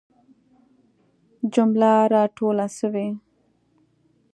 جمله را ټوله سوي.